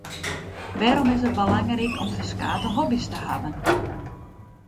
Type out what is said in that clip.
Wêrom is it belangryk om ferskate hobby’s te hawwen?